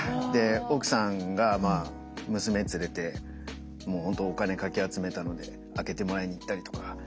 で奥さんがまあ娘連れてもうほんとお金かき集めたので開けてもらいに行ったりとか。